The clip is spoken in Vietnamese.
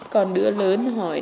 còn đứa lớn hỏi